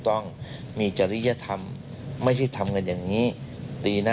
เป็นคนให้การเท็จยังไง